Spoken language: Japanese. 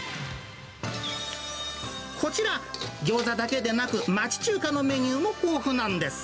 こちら、ギョーザだけでなく、町中華のメニューも豊富なんです。